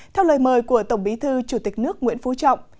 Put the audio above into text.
theo lời mời của tổng bí thư chủ tịch nước nguyễn phú trọng